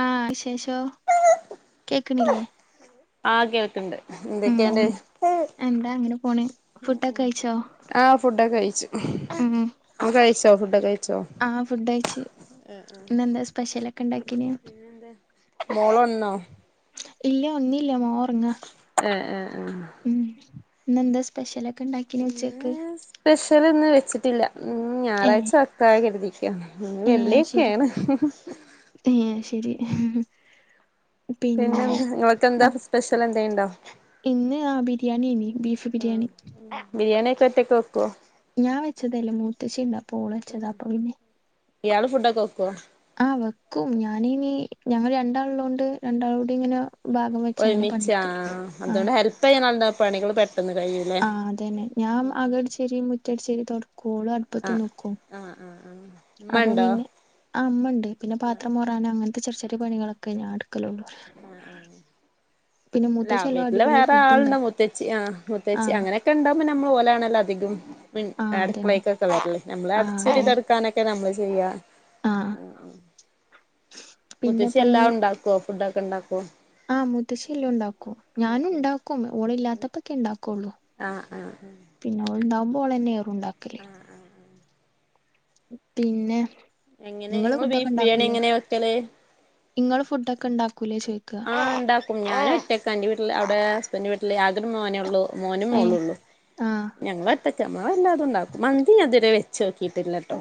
ആഹ് വിശേഷോ കേക്ക്ണില്ലേ? ആഹ് കേൾക്ക്ണ്ട്. ന്തൊക്കെയുണ്ട്? എന്താ അങ്ങനെ പോണ്. അ ഫുഡൊക്കെ കഴിച്ചോ ആഹ് ആഹ് ഫുഡൊക്കെ കഴിച്ചു. ഉം അവം കഴിച്ചോ? ഫുഡൊക്കെ കഴിച്ചോ? ആഹ് ഫുഡ്ഡയിച്ച്. ഇന്നെന്താ സ്പെഷ്യലൊക്കെണ്ടാക്കിനെ? മോളൊൺന്നോ? ഇല്ല ഒൺനീല്ല മോളൊർങ്ങാ. ഏഹ് ഏഹ് ഏഹ് ഉം ന്നെന്താ സ്പെഷ്യലൊക്കെ ണ്ടാ ഇന്ന് സ്പെഷ്യലൊന്നു വെച്ചിട്ടില്ല ഏഹ് ഞായറാഴ്ച വെക്കാ കരുതി. ക്ക ന്ന് ഏഹ് ശരി വെള്ളിയൊക്കെയാണ്. ഏഹ് ശരി പിന്നെ പിന്നെന്ത് നിങ്ങള്ക്കെന്താ മക് സ്പെഷ്യലെന്തേണ്ടോ? ഇന്ന് ആഹ് ബിരിയാണിയേനി ബീഫ് ബിരിയാണി ആഹ് ബിരിയാണിയൊക്കൊറ്റക്ക് വെക്കോ? ഞാൻ വെച്ചതല്ല മൂത്തച്ചിണ്ട പോള് വെച്ചതാ അപ്പൊ പിന്നെ ഇയാള് ഫുഡൊക്കെ വെക്കോ? ആഹ് വെക്കും ഞാനിനീ ഞങ്ങൾ രണ്ടാള് ള്ളോണ്ട് രണ്ടാളൂടി ങ്ങന ഒരുമിച് ആഹ് ആഹ് അതുകൊണ്ട് ഹെൽപ് ചെയ്യൻ ന്താ പണികൾ പെട്ടെന്ന് കഴിയും ആഹ് അതെന്നെ ഞാൻ അകംഅടിച്ചേരി മുറ്റടിച്ചേരി തോടക്കും ഓള് അടുപ്പത്ത് നോക്കും ആ ആ ആ അപ്പൊ പിന്നെ ആ അമ്മുണ്ട്, പിന്നെ പാത്രം മൊറാന് അങ്ങനത്തെ ചെറിയ ചെറിയ പണികളൊക്കെ ഞാൻ എടുക്കല്ള്ളു അല്ല മൂത്തച്ചെല്ലോ വീട്ടില് അടിപൊളി വേറെ ഫുഡ് ആളുണ്ട് ഉണ്ടാക്കും മുത്തേച്ചി ആ മുത്തേച്ചി ആഹ് അങ്ങനെ ക്കെ ഉണ്ടാവുമ്പോ നമ്മൾ ഓലാണല്ലോ അധികം പി ആഹ് അതന്നെ അടുക്കളേക്കൊക്കെ വരില്. നമ്മൾ ആഹ് അടിചേരി അതന്നെ തെടുക്കാനൊക്കെ നമ്മൾ ചെയ്യുക ആഹ് മുത്തച്ചി പിന്നെപ്പഞ്ഞി എല്ലാം ഉണ്ടാക്കുവോ ഫുഡ് ഒക്കെ ഉണ്ടാക്കുവോ ആഹ് മൂത്തച്ചിഎല്ലൊം ഉണ്ടാക്കും ഞാനും ഉണ്ടാക്കും ഓളില്ലാത്തപ്പോക്കെ ഉണ്ടാക്കുള്ളൂ ആഹ് ആഹ് ആഹ്. പിന്നെ ഓള്ണ്ടാവുപോ ഓളന്നെ ഏറെം ഇണ്ടാക്കല്. പിന്നെ. എങ്ങനെ ഇങ്ങള് ഫുഡൊക്കെ ബീഫ് ബിരിയാണി ഉണ്ടാക്കൂലേ എങ്ങനെ വെക്കല്? ഇങ്ങള് ഫുഡോക്കെ ഇണ്ടാക്കൂലേന്ന് ചോയിക്ക. ആഹ് ഇണ്ടാക്കും. ഞാനൊറ്റക്ക ഇന്റെ വീട്ടില് അവടെ ഹസ്ബന്റെ വീട്ടില് ആകൊരു മോനേ ഒള്ളൂ. മോനും ഏഹ് മോളൊള്ളു. ആഹ് ഞങ്ങളൊറ്റക്ക മ്മള് എല്ലാതുണ്ടാക്കും. മന്തി ഇതുവരെ വെച്ച് നോക്കിയിട്ടില്ലട്ടോ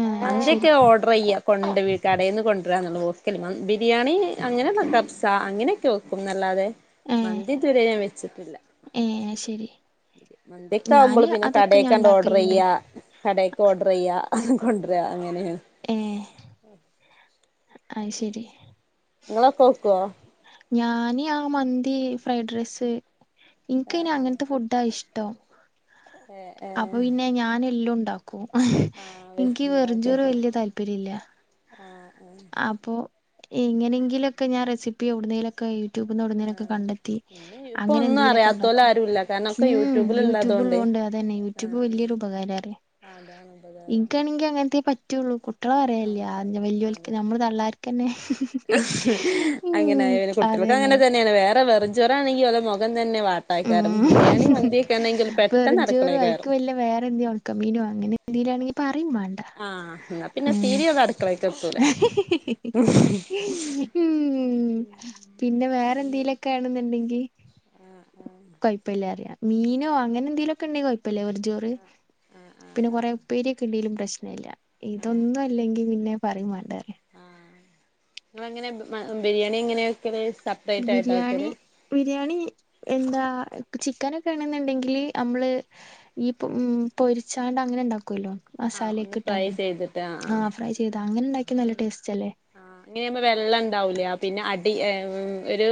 ഏഹ് അത് ശരി മന്തിയൊക്കെ ഓർഡർചെയ്യാ കൊണ്ട് കടേന്ന് കൊണ്ടുരാന്നൊള്ളൂ ബിരിയാണി അങ്ങനെക്ക കബ് സ അങ്ങനൊക്കെ വെക്കും ന്നല്ലാതെ ഏഹ് മന്തി ഇത് വരെ ഞാൻ വെച്ചിട്ടില്ല. ഏഹ് ശരി മന്തിഒക്കാവുമ്പള് ഞാന് പിന്നെ അതൊക്കെ ഞാൻ കടേക്കാണ്ട് ഉണ്ടാക്കലുണ്ട് ഓർഡറിയ്യ. കടേക്ക് ഓഡർയ്യ കൊണ്ട്ര അങ്ങനെണ്. ഏഹ്. അത്ശരി. നിങ്ങളെക്കോക്കോ. ഞാന് ആഹ് മന്തി ഫ്രൈഡ് റൈസ് ഇൻക്ക് ആഹ് പിന്നെ അങ്ങന്ത്തെ ഫു ഡാ ഇഷ്ടം. ഏഹ്. അപ്പൊ ഏഹ് പിന്നെ ഞനെല്ലോം ഇണ്ടാക്കും ആഹ് ഇൻക്ക് ഈ വെറുംചോറ് വല്യ താല്പര്യല്ല. ആഹ് ആഹ്. അപ്പൊ എങ്ങനെങ്കിലൊക്കെ ഞാൻ റെസിപ്പി എവിട്ന്നേലൊ ക്കെ യൂട്യൂബ്ന്ന് എവ്ട്ന്നേലൊക്കെ ആഹ് കണ്ടെത്തി ഇന്ന് ഇപ്പൊ അങ്ങനെ ഒന്നും എന്തേലൊക്കെ അറിയാത്തോല് ഇണ്ടാക്കു. ആരുല്ല കാരണം ഒക്കെ ഉം യൂട്യൂബിൽ യൂട്യൂബ് ഇള്ളതോണ്ടേ ഉള്ളോണ്ട് അതന്നെ യൂട്യൂബ് ആഹ് വല്യോരു ഉപകാരപറയ. ആഹ് അതാണ് ഉപകാരാണ് ഇൻക്കാണെങ്കി അങ്ങനത്തേ പറ്റൊള്ളൂ കുട്ടെളെ ആഹ് പറയല്യ വല്യോ അതാണ് നമ്മള് തള്ളാർക്കന്നെ ഉം അങ്ങനായ പിന്നെ കുട്ടികൾക്ക് അതന്നെ. അങ്ങനെ വേറെ വെറുംഞോ ജൊറണങ്കി ഓലെ മൊഖം തന്നെ വാ ഉം പെട്ടെന്ന് വെറുംഞ്ചോറ് അടുക്കളേ അയ്ക്ക് കയറും വല്ലേ വേറെ എന്തേ ഒണക്കമീനോ അങ്ങനെ എന്തോലാണെങ്കി പറയുംവാ ആഹ് ഇന്നാ പിന്നെ തീരയും അടുക്കളേക്കെത്തൂല. ഉം പിന്നെ വേറെന്തീലൊക്കെ ആണ്ന്ന്ണ്ടെങ്കി. കൊയ്പ്പല്ലറിയാ മീനോ അങ്ങനെന്തെലൊക്കെ ഇണ്ടെങ്ങി കൊയപ്പല്യാ വെറും ജോറ്. പിന്നെ കൊറെ ഉപ്പേര്യോക്കെ ഇണ്ടേലും പ്രശ്നല്ല ഇതൊന്നും ഇല്ലെങ്കി പിന്നെ പറയുംവാണ്ട. ഇങ്ങളെങ്ങനെ ബിരിയാണി എങ്ങനെവെക്കല്. ബിരിയാണി. ബിരിയാണി എന്താ ചിക്കനൊക്കെണെന്ന്ണ്ടെങ്കില് അമ്മള്. ഈപൊ ഉം പൊരിച്ചാണ്ട് അങ്ങനെ ഇണ്ടാക്കൊല്ലോ. ആഹ് ഒന്ന് മസാലക്കെ ഫ്രൈ ഇട്ടാണ്ട് ചെയ്തിട്ട് ആഹ് ഫ്രൈ ചെയ്ത അങ്ങനെ ഇണ്ടാക്കി നല്ല ടേസ്റ്റല്ലേ. അങ്ങനെവുമ്പോ വെള്ളണ്ടാവൂലേ പിന്നെ അടി ഒരു.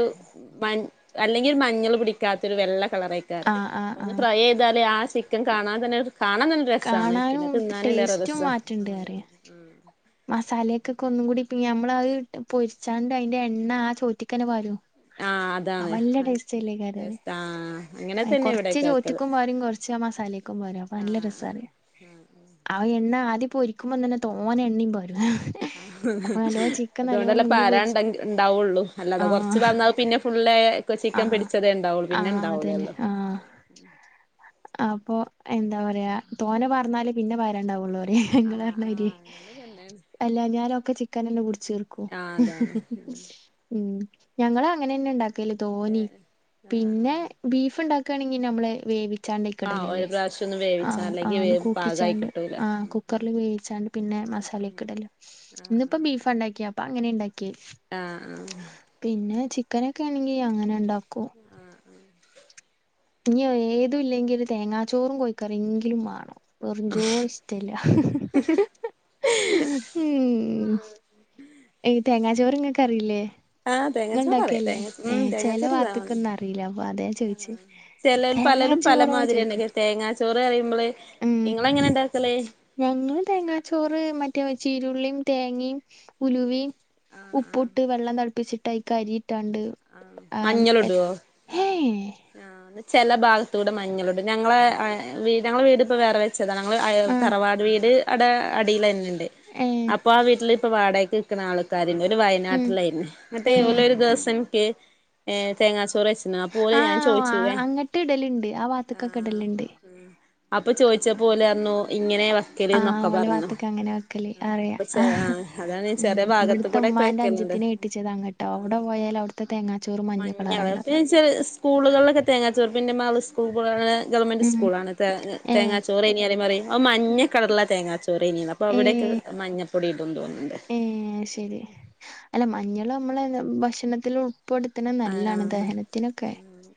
മൻ അല്ലെങ്കിലൊരു മഞ്ഞള് പിടിക്കാത്ത ഒരു വെള്ള കളറായി. ക്കാരം ആഹ് ആഹ് ഒന്ന് ആഹ് ഫ്രൈയ്യിതാലെ ആഹ് ചിക്കൻ കാണാൻ തന്നൊരു. കാണാൻ നല്ല രസാ ണ് പിന്നെ തിന്നാനും വേറെ രസമാണ് റ്റ്ണ്ട് അറിയാ. മസാലയൊക്കൊക്കെ ഒന്നും കൂടി ഞമ്മളയ് പൊരിച്ചാണ്ട് അയിന്റെ എണ്ണ ആഹ് ചോറ്റിക്കന്നെ പാരും. ആഹ് അതാണ് അപ്പല്ലേ ടേസ്റ്റ്ല്ലേക്കാരത് ടേസ്റ്റ് ആഹ് അങ്ങനെ തന്നെ കൊറച്ച് ഇവിടെയൊക്കെ വെക്കല് ചോറ്റ്ക്കും വാരും കൊറ് ച് ആഹ് മസാലേക്കും പാര അപ്പൊ നല്ലെ ആഹ് രസാണ്. ആഹ് ആഹ് എണ്ണ ആദ്യപ്പോരിക്കുംമ്പോ തന്നെ തോനെണ്ണി പാരും. ആഹ് അപ്പൊ നല്ലോ ചിക്കൻ നല്ലോ അതോണ്ടല്ലേ മുങ്ങി പൊരിച്ച് പാരണ്ടങ്കി ഇണ്ടാവൊള്ളൂ അല്ലാതെ കൊറച്ച് ആഹ് പാർന്നാ പിന്നെ ഫുള്ളേ. ചിക്കൻ ആഹ് പിടിച്ചതേ ഇണ്ടാവൊള്ളൂ പിന്നെ ആഹ് അതന്നെ ഇണ്ടാവൂലല്ലോ. ആഹ് അപ്പൊ എന്താ പറയാ തോന വാർന്നാല് പിന്ന വരേണ്ടാവുള്ളു ഇഹ് ഇങ്ങള് ആഹ് ആഹ് പറഞ്ഞമായ്രിയെ അങ്ങനെ തന്നെയാണ് ഞാനൊക്കെ ചിക്കാനന്ന് കുട്ച്ചീർക്കും ആഹ് ഹ് അതാണ് ഹ് ഹ് ഉം ഉം ഞങ്ങളങ്ങനെന്ന ഇണ്ടാക്കല് തോനീം ഏഹ് ആഹ് പിന്നെ ആഹ് ബീഫ് ഇണ്ടാ ക്കാണെങ്കി നമ്മള് വേവി ച്ചാണ്ട് ആഹ് ഒരു അയ്ക്ക്ടലില്ലേ പ്രാവശ്യം ഒന്ന് ആ വേവിച്ചണം അല്ലെങ്കിൽ ആണ് വേവ് പാകായി കുക്കിച്ചാണ്ട് കിട്ടൂല ആഹ് കു ക്കർല് വേവിച്ചാണ്ട് പിന്ന മസാലെക്കെ ഇടലു ഇന്നിപ്പ ബീഫാണ്ടാക്കിയ അപ്പ അങ്ങനെ ഇണ്ടാക്കിയേ ആഹ് അ പിന്നെ ചിക്കനക്കെ ആണെങ്കി അങ്ങനെ ഒണ്ടാക്കും ഇനിയോ ഏതുല്ലെങ്കില് തേങ്ങാച്ചോറും കോയ്ക്കറിങ്കിലും മാണം വെറുംചോറിഷ്ടില്ല ഉം എങ്കി തേങ്ങാ ചോറ് ഇങ്ങക്കറിയില്ലേ ആഹ് ഇങ്ങൾ തേങ്ങാച്ചോറ് ഇണ്ടാക്കെ അറിയാം അല്ലേ തേങ്ങ ഉം ഏഹ് ചെല തേങ്ങാച്ചോറ് ഇതാണ് വാത്ത്ക്കൊന്നും അറീല അപ്പ അതെ ചോയ്ച്ചെ ചെലല് പലലും പലമാതിരിണ്ടാക്കെ തേങ്ങാച്ചോറ് പറെമ്പള് ഉം ഇങ്ങളെങ്ങനാ ഇണ്ടാക്കല് ഞങ്ങള് തേങ്ങാച്ചോറ് മറ്റെ ചീരുള്ളിം തേങ്ങെം ഉല്വേം ആഹ് ആഹ് ഉപ്പുട്ട് വെള്ളം തെളപ്പിച്ചിട്ടയ്ക്കരിട്ടാണ്ട് ആഹ് ആ മ് എത് മഞ്ഞളിടുവോ ഹെയ് ആഹ് ചെല ഭാഗത്തൂട മഞ്ഞള്ടും ഞങ്ങളെ അ വീട് ഞങ്ങള വീട്പ്പ വേറെ വെ ച്ചതങ്ങള് അയൽ ആ തറവാട് വീട് അടെ അടിലന്നെണ്ട് ഏ അപ്പൊ ആ വീട്ട്ല് പ്പ വാടെക്ക് നിക്കണ ആൾക്കാര്ണ്ട് ഓര് ഉം വയ്നാട്ട്ലാര്ന്നു എന്നട്ടെ ഏ ഓല് ഒര് ദോസം ക്ക് അ തേങ്ങാ ചോറ് വെച് ആവോ അങ്ങട്ട് ഇടല്ണ്ട് ആ വാത്ത്ക്കൊക്ക ഇടല്ണ്ട് അപ്പ ചോയ്ച്ചപ്പ ഓല് പർഞ്ഞു ഇങ്ങനെ വ ആഹ് ഓല ഭാത്ത്ക്കങ്ങനെ വെക്കല് അറിയ അപ്പൊ ചെ അഹ് ആഹ് അതാണ് ഉ ചെറിയ ഭാഗത്ത് ഇവട്ത്ത കൂടെക്കെ ഉമ്മാന്റ വെക്കലുണ്ട് അനിജെത്തിനെ കെ ട്ടിച്ചതങ്ങട്ട അവ്ട പോയാല് അവ്ട്ത്ത തേങ്ങാ മഞ്ഞ കളർ പിന്ന ചെല സ്കൂള്കള്ലെക്ക തേങ്ങാച്ചോർ പിന്ന മാള് സ്കൂൾക്ക്കൊണ്ടോകണ ഗവൺമെന്റ് ഉം സ്കൂളാണ് ത് ഏ തേങ്ങാ ചോറെനിയാലും പറെം ഒ മഞ്ഞ കളർല തേങ്ങാ ചോറെനീന്ന് പ പ്പം അവ്ടെക്ക ഏഹ് മഞ്ഞപ്പൊടി ഇടും തോന്ന്ണ്ട് ഏഹ് ശരി അല്ല മഞ്ഞള് അമ്മളെന്ന് ഭക്ഷണത്തിലും ഇപ്പോടുത്തണെ ആ നല്ലാണ് ദഹനത്തിനൊക്കെ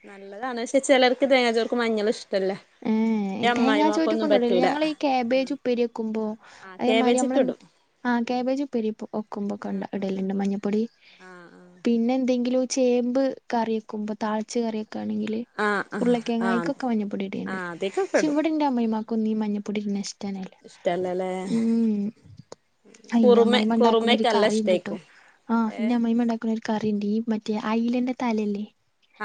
നല്ലതാണ്. പഷെ ചെലർക്ക് തേങ്ങാചോർക്ക് മഞ്ഞള് ഇഷ്ടല്ല. ഏഹേ ഏഹ് എന്റെ തേങ്ങാ അമ്മായിമാക്കൊന്നും ചോറ്റ്ക്കൊന്നു ഇടല്ല. പറ്റൂല ഞങ്ങള് ഈ ക്യേബേജ് ഉപ്പേരിവെക്കുമ്പോ ആ അയേമാരി കാബേജ് ഒക്കെ ഇടും അമ്മളന്ത് ആ ക്യാബേജ് ഉപ്പേരിപു ഒക്കുമ്പക്കണ്ട് ഇടല്ണ്ട് മഞ്ഞപ്പൊടി. പിന്നെ എന്തെങ്കിലു ചേമ്പ് കറിവെക്കുമ്പം താളിച്ച് കറിവെക്കാണെങ്കില് ഉരുളക്കിഴങ്ങായ് അയ്ക്കൊക്ക്. മഞ്ഞപ്പൊടി ഇട് ആഹ് അതിക്കൊക്കെ ഇടും. ഇന്റ അമ്മായ്മാക്കൊന്നു ഈ മഞ്ഞപ്പൊടി ഇഷ്ടന്നെ ഇല്ല ഇഷ്ടല്ലല്ലേ ഉം ഉം. അയ് ഇന്റ കുറുമ അമ്മായ്മ ഇണ്ടാക്കുന്നൊര് കുറുമക്കെ നല്ല കറി ഇണ്ട്ട്ടൊ. ഇഷ്ടായിക്കും ആഹ് ഏ ഇന്റെ അമ്മായ്മ ഇണ്ടാ ക്ക്ണൊര് കറി ഇണ്ട്. ഈ മറ്റെ അയ്ലന്റെ തലെല്ലെ.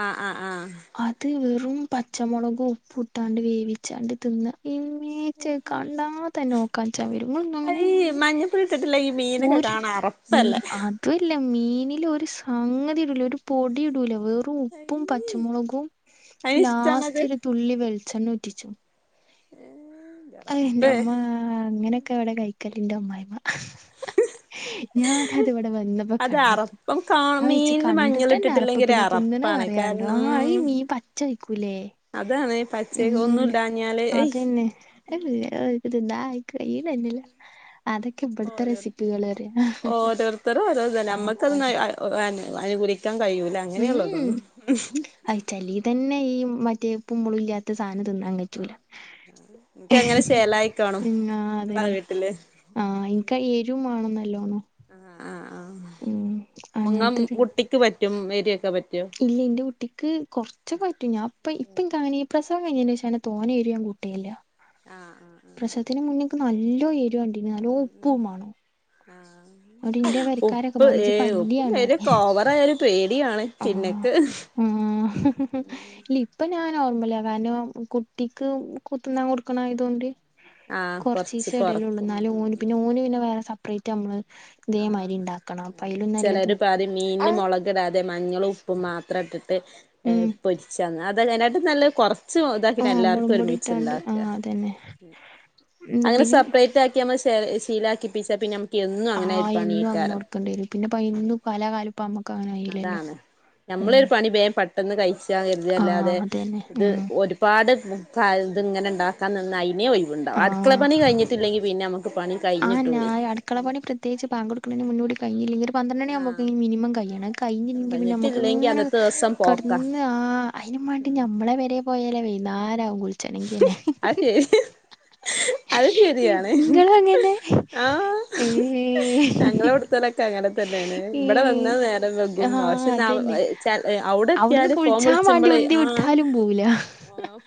അഹ് അഹ് ആഹ് അത് വെറും പച്ചമൊളകു ഉപ്പുട്ടാണ്ട് വേവിച്ചാണ്ട് തിന്ന ഇമ്മേ ഇച്ചത് കണ്ടാ തന്നെ ഓർക്കാൻച്ചാം വെരും. ഇങ്ങള് തിന്നൊ അങ്ങനെ. ഈ മഞ്ഞപ്പൊടി ഇട്ടിട്ട്ള്ള ഈ മീനെക്ക കാണാ അറപ്പല്ലെ. എത്തു ഇല്ല മീനില് ഒര് സംഗതി ഇടൂല. ഒരു പൊടി ഇടൂല വേറും ഉപ്പും പച്ചമൊളകും അതിന് ഇഷ്ടാണത് ലാസ്റ്റെര് തുള്ളി വെളിച്ചെണ്ണ ഉറ്റിച്ചും. അപ്പേ അയ്ന്റെമ്മാ. ആഹ് അങ്ങനൊക്കെ ഇവെടെ കയ്ക്കല്. ഇന്റെ അമ്മായ്മ ഞാനത് ഇവ്ടെ വന്ന പ്പ അത് കണ്ടപ്പോ അറപ്പം കാ അഹ് ഇച്ച് മീനില് മഞ്ഞൾ കണ്ടിട്ടെന്നെ അറപ്പ്. ഇട്ടിട്ടില്ലെങ്കിൽ ഒരു പിന്നെ തിന്ന്ണ അറപ്പാണ് പറയാണ്ടോ കാരണം ആ ഈ മീ പച്ച ച്ചെയ്ക്കുലേ. അതാണ് പച്ച ഒന്നും ഇടാഞ്ഞാല്. എഹ്. അയ് [unintelligible] അന്നാ ആയിക്ക നന്നില്ല അതൊക്കെ ഇബെട്ത്ത റെസിപ്പികള്റ്യ ഓരോരുത്തര് ഓരോത്. നമ്മുക്കത് അനുകൂലിക്കാൻ കഴിയൂല. അങ്ങനെയുള്ളതൊന്നും. ഉഏ [unintelligible] ഇച്ചല്ലീ തന്നെ ഈ മറ്റെ ഇപ്പും മൊളു ഇല്ലാത്ത സാധനം തിന്നാൻ കജൂല. എനിക്ക് അങ്ങനെ ചേലായിക്കാണും ആഹ് ഇങ്ങളെ അതന്നെ വീട്ടില്. ആഹ് ഇൻക്ക് ആ എരും മാണം നല്ലോണം. ആ ആ ആ ഉം മുങ്ങ അങ്ങൻതൊരി കുട്ടിക്ക് പറ്റും. എരൊക്കെ പറ്റൊ. ഇല്ല ഇന്റെ കുട്ടിക്ക് കൊറ്ച്ച് പറ്റും. ഞാ അപ്പ ഇപ്പം ഇൻക്ക് അങ്ങനെ ഈ പ്രസവം കഴിഞ്ഞതിന് ശേഷാണ് തോനെ എരു ഞാൻ കൂട്ട് ട്ടീല. ആഹ് ആഹ് ആഹ്. പ്രസവത്തിന് മുന്ന് ഇൻക്ക് നല്ലോ എര്യോണ്ടിനി. നല്ലോ ഉപ്പുംമാണം. ആ ഉപ്പ്. പറയും ഏ ഇജ്ജ് ഉപ്പും പല്ലിയാണ് എരു പറയും കോവ ഏതായാലും പേടിയാണ്. പിന്നെക്ക് ഉം. ഇല്ല ഇപ്പൊ ഞാൻ നോർമ്മല. കാര് ണം കുട്ടിക്ക് ത്തിന്നാ കൊടുക്ക്ണായതോണ്ട്. ആഹ് കൊറച്ച് കൊറ്ച്ചീചെ ഇടലൊള്ളു. കൊറക്കും ഇന്നാലും ഉം ഓന് ഉം പിന്നെ ഓന് പിന്നെ വേറെ സ സപ്പ്റേയ്റ്റ് നമ്മള് ഇതേമാതിരി ഇണ്ടാക്കണം. അപ്പ അയ്ലും നല്ലത്. മീൻല് മൊളകിടാതെ മഞ്ഞളും ഉപ്പും മാത്രം ഇട്ടിട്ട് ഉം പൊരി ച്ചഅത് അയ്നായിട്ടിൻ നല്ലെത് കൊറ്ച്ച ച്ച്ഇതാക്കി ആഹ് എല്ലാർക്കും മുളകുംപൊടി ഒരുമിച്ച് ഇട്ടാണ്ട് ഇണ്ടാക്ക. ആഹ് അതന്നെ ഉം അങ്ങനെ പിന്നെ സപ്പ്റേറ്റ് ആ ഇത് നമ്മൾ ശീലാക്കി പ്പിച്ചാ പിന്നെ നമുക്ക് എന്നും അങ്ങനെ ആയി ആഹ് എന്നും അങ്ങനെ കൊടുക്കേണ്ട്യേരും. പിന്നെ പയന്നും കലാകാലും ഇപ്പം അമ്മക്ക് അങ്ങനെ കഴിലല്ലോ. അതാണ് നമ്മളൊരു പണി ബേം പെട്ടെന്ന് കഴിച്ചാ കരുത ആഹ് അല്ലാതെ അതന്നെ ഇത്. ഉം ഒരുപാട് ക ഇത് ങ്ങനെ ഇണ്ടാക്കാൻ നിന്നാ അയിനേ ഒയിവ്ണ്ടാവ് അടുക്കള ആഹ് പനി കഴിഞ്ഞിട്ട് ട്ടല്ലെങ്കിൽ പിന്നെ മ്മക്ക് പണി ആഹ് കഴിഞ്ഞിട്ടൂലേ ഞായി അട്ക്കള പണി പ്രത്യേകച്ച് പാങ്ക കൊടുക്കണന് മുന്നൂടി കയിഞ്ഞിലെങ്കി ഒരു പന്ത്രണി ആഹ് ആവുമ്പോക്കക്കി മിനിമം കയ്യണേ കഴിഞ്ൽങ്കി പിന്നെമക്ക് കഴിഞ്ഞിട്ടില്ലെങ്കി ഇങ്ങനെ അന്നത്തെ ദിവസം പോക്കാ കെടന്ന് ആ അയിനു മാണ്ടി ഞമ്മളെ വരെ പോയലെ വെയ്നാരാവും കുൾ ച്ചണെങ്കിന്നെ അത് ശരി അത് ശരിയാണ് ള് ങ്ങ അങ്ങൻന്നെ. ആഹ് ഞങ്ങളെ വ്ടുതോലൊക്കെ അങ്ങനെ തന്നെയാണ് ഈ ഇവിടെ വന്ന നേരം വെ ഗും ആഹ് പക്ഷെ അതന്നെ [unintelligible] അവിടെ അവിടുന്ന് എത്തിയല് ഫോം കുളിച്ചാൻ വേണ്ടി വിളിച്ച്മ്പളെ ഉന്തി ആഹ് വിട്ടാലും പോവൂല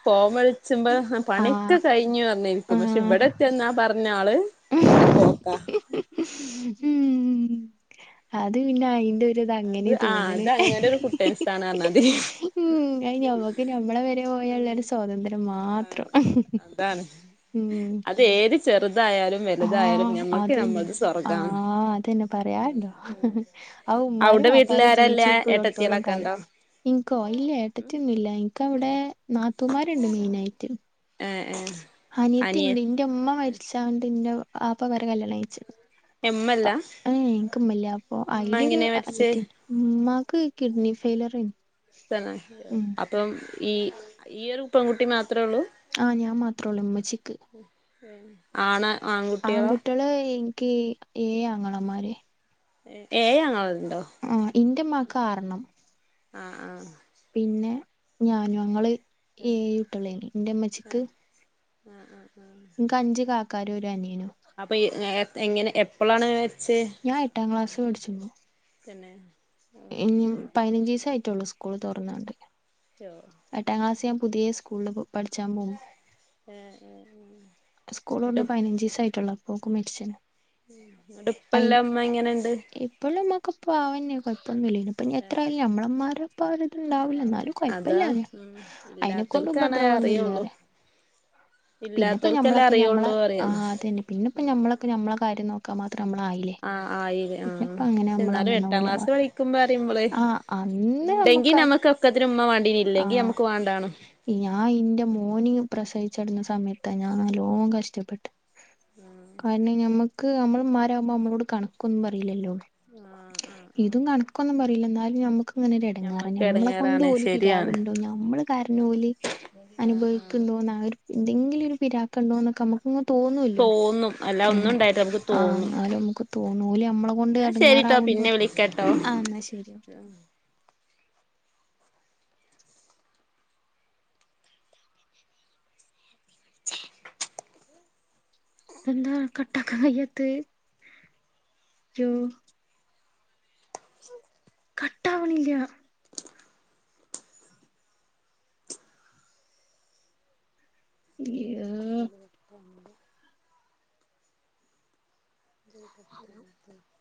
ഫോം വിളിച്ചുമ്പോ പണിയൊക്കെ ആഹ് കഴിഞ്ഞു അർഞ്ഞിരിക്കും പക്ഷെ ആഹ് ഇബടത്തെന്നാ പർ ന്നാള് നേരെ പോക്കാ അത് പിന്നെ അയിന്റെ ന്റത് അങ്ങനെ അത് ആഹ് തോന്നണ് അത് അങ്ങനെ ഒരു കുട്ടൻസാണ് പറഞ്ഞാതിരി ഉം അഹ് ഞമുക്ക് നമ്മളെ വരെ പോയള്ളര്സ് സ്വാതന്ത്യം മാത്രം അതാണ് ഉം. അത് ഏത് ചെറുതായാലും വലുതായാലും ആഹ് ഞമ്മക്ക് അതന്നെ നമ്മളത് സ്യർഗാണ് ആഹ് അതന്നെ പറയാണ്ടോ ആ ഉമ്മാരും അവിടെ വാപ്പാരും വീട്ടിലാരല്ല ജീവിച്ചിരിപ്പുള്ളടത്തോളം കാലം ഏട്ടത്തിളൊക്കെണ്ടോ ഇൻക്കോ ഇല്ല ഏട്ടത്തിന്നുംല്ല എനക്കവിടെ നാത്തൂമാരുണ്ട് മെയിനായിട്ട് ഏഹ് ഏഹ് അനിയത്തിണ്ട് അനിയൻ ഇന്റെ മ്മ മരിച്ചാണ്ട് ഇന്റെ വാപ്പ വേറെ കല്യാണംയിച് ഇമ്മല്ല പ ഏഹ് ഇൻക്മ്മല്ല അപ്പൊ ഇമ്മ അയിലൊരു എങ്ങനെ മരിച്ചേ അനിയത്തിണ്ട് മ്മാക്ക് കിഡ്നി ഫെയിലിയറേനി തന്നെ അപ്പം ഈ ഈ ഒരു പെൺകുട്ടി മാത്രേ ഉള്ളൂ ആഹ് ഞാൻ മാത്രേ ഉള്ളൂ ഉമ്മച്ചിക്ക് ഉം. ആണ് ആങ് ആങ്കുട്ട്യെള് ഇൻക്ക് ഏയ് അങ്ങളമാര് ഏഹ് ഏഴാങ്ങളണ്ടോ? ആഹ് ഇന്റെമ്മാക്ക് ആറെണ്ണം. ആഹ് ആഹ്. പിന്നെ ഞാനും ഞങ്ങള് ഏയുട്ടേളേന്നു. ഇന്റെമ്മച്ചിക്ക് ആഹ് ആഹ് ആഹ് ഇൻക്ക് അഞ്ച് കാക്കാരും ഒരു അനിയനും. അപ്പൊ എ എങ്ങനെ എപ്പളാണ് മര്ച്ച്? ഞാ എാട്ടാം ക്ലാസ് പഠിച്ച്മ്പോ. തന്നെ? ഇൻയും പയിനഞ്ച്ചീസായിട്ടൊള്ളൂ സ്കൂള് തൊർന്നാണ്ട്. യോഹ് എട്ടാം ക്ലാസ് യാൻ പുതിയേ സ്കൂള്ല് പഠിച്ചാ പോഉമ്പോ. ഏഹ് ഏഹ് ഏഹ് ഇങ്ങട്ട് സ്കൂളൊർന്ന് പയിനൻജീസായിട്ടൊള്ളു അപ്പോക്കും മരിച്ച്ണ് ഉം. ട്പ്പല്ല ഇമ്മ എങ്ങനെണ്ട്? ഇപ്പള്ള ഇമ്മക്കെ പാവന്നെ കൊഴപ്പൊന്നുല്ല. പിന്നെപ്പോനി ഏഹ് എത്രായാലും ഞമ്മളമാര് ഇപ്പ അവര്ട്ട്ണ്ടാവൂല്ല. ഇന്നാലും അതാ കൊയപ്പല്ലറയാ. ഉം അയിനെക്കൊണ്ട് ഇല്ലാത്തോൽക്കാണെ അറിയൊള്ളു ഉപദ്രവൊന്നുല്ലാറയ. ഇല്ലാത്തോൽക്കല്ലേ അറിയുള്ളൂ പറയാ. പിന്നെ പിന്നെപ്പോ ഞമ്മളൊക്കെ ഞമ്മളെ കാര്യം നോക്കാ മാത്രം മ്മളായില്ലേ? ആഹ് ആയില്ലേ ആഹ് പക്ഷെ എന്നാലും അങ്ങനെ എട്ടാം പോലെ ക്ലാസ്ല് പഠിക്കുമ്പോറീമ്പളേ ആ അന്ന് ഇണ്ടെങ്കി നമ്മക്ക് ഞമ്മക്ക് ഒക്കത്തിനും ഇമ്മ വാണ്ടീന് ഇല്ലെങ്കി ഞമ്മക്ക് വാണ്ടാണും. ഞാ ഇന്റെ മോന് പ്രസവിച്ചട്ന്ന സമയത്താ ഞാൻ നല്ലോം കഷ്ടപ്പെട്ടെ. കാരണം ഞമ്മക്ക് ഞമ്മളെമ്മാരാകുമ്പോ ഞമ്മളോട് കണക്കൊന്നും പറീല്ലല്ലോ? ആഹ് ആഹ് ഇതും ആഹ് കണക്കൊന്നും പറീല്ല ഇന്നാലും ഞമ്മക്കങ്ങനൊരു എടങ്ങേറ ഞമ്മക്ക് ഞമ്മളെ കൊണ്ട് എടങ്ങേറാണ് ഓല് ശരിയാണ് ട്ടാവ്ണ്ടോ ഞമ്മള് കാരണോല് ആഹ് ആഹ് അനുഭവിക്ക്‌ണ്ടോ ന്ന് ആ എന്തെങ്കിലും ഒര് പിരാക്കണ്ടോന്നൊക്കെ അമ്മക്ക് ങ്ങ് തോന്നോല്ലോ തോന്നും അല്ല ഉം ഒന്നും ഉണ്ടായിട്ട് നമുക്ക് ആഹ് തോന്നും ഇന്നാലും മ്മക്ക് തോന്നും. ഓലമ്മളെ കൊണ്ട് എന്നാ ശരിട്ടോ പിന്നെ എടങ്ങാറാവ്ണ്ടോന്ന് വിളിക്കാട്ടോ ആ ഇന്നാ ശരി ഓക്കെ. ഇതെന്താ കട്ടാക്കാം കയ്യാത്ത്? യ്യോ കട്ടാവ്ണില്ല്യ. അയ്യോ [unintelligible] [unintelligible]